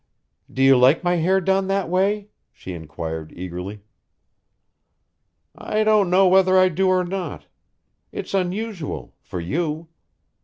"Do you like my hair done that way?" she inquired eagerly. "I don't know whether I do or not. It's unusual for you.